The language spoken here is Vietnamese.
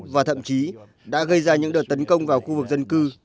và thậm chí đã gây ra những đợt tấn công vào khu vực dân cư